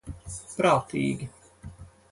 Prātīgi.